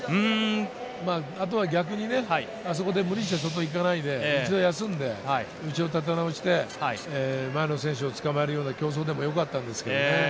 逆に無理して外行かないで、一度休んで内を立て直して、前の選手をつかまえる競走でもよかったんですけどね。